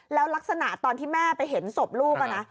แล้วลักษณะตอนที่แม่ไปเห็นศพลูกนะ